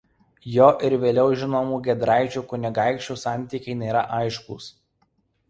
Jo ir vėliau žinomų Giedraičių kunigaikščių santykiai nėra aiškūs.